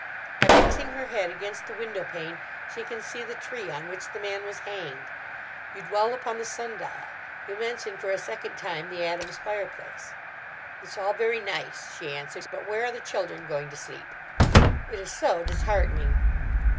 By fixing her head against the window pane she can see the tree on which the man was hanged. You dwell upon the sundial; you mention for a second time the Adams fireplace. "It's all very nice," she answers, "but where are the children going to sleep?" It is so disheartening.